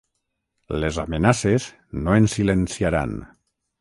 Les amenaces no ens silenciaran.